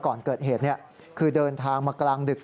ก่อนเกิดเหตุคือเดินทางมากลางดึก